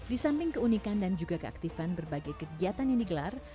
di samping keunikan dan juga keaktifan berbagai kegiatan yang digelar